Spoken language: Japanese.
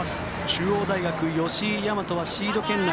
中央大学、吉居大和はシード圏内。